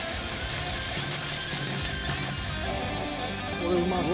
これうまそう。